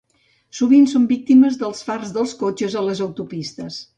Sovint són víctimes dels fars dels cotxes a les autopistes.